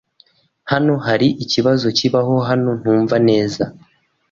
Hano hari ikintu kibaho hano ntumva neza.